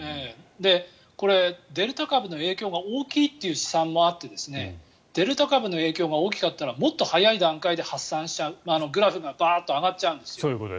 これ、デルタ株の影響が大きいという試算もあってデルタ株の影響が大きかったらもっと早い段階で発散しちゃうグラフがバーンと上がっちゃう。